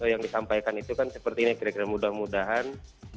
yang disampaikan itu kan seperti ini kira kira mudah mudahan